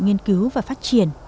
nghiên cứu và phát triển